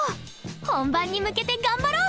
本番に向けて頑張ろう！